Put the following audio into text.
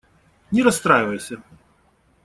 Не расстраивайся.